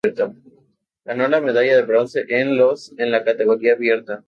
Ganó una medalla de bronce en los en la categoría abierta.